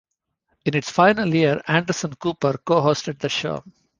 In its final year, Anderson Cooper co-hosted the show.